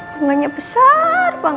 bunganya besar banget